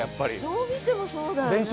どう見てもそうだよね。